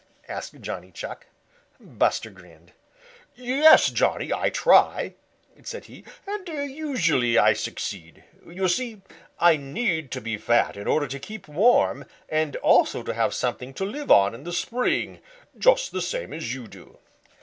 asked Johnny Chuck. Buster grinned. "Yes, Johnny, I try," said he, "and usually I succeed. You see, I need to be fat in order to keep warm and also to have something to live on in the spring, just the same as you do.